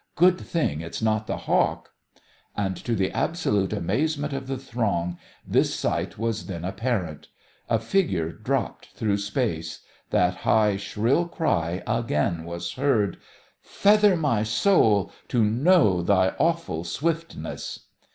"Good thing it's not the Hawk!" And, to the absolute amazement of the throng, this sight was then apparent. A figure dropped through space. That high, shrill cry again was heard: "Feather my soul ... to know thy awful swiftness!"